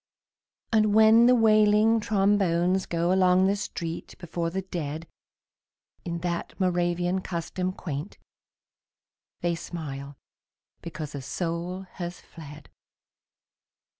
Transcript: And when the wailing trombones go Along the street before the dead In that Moravian custom quaint, They smile because a soul has fled.